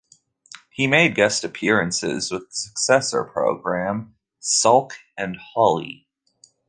He made guest appearances with the successor program Salk and Holley.